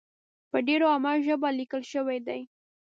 په ډېره عامه ژبه لیکل شوې دي.